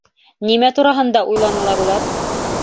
Нимә тураһында уйланылар улар?